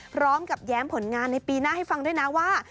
แย้มผลงานในปีหน้าให้ฟังด้วยนะว่า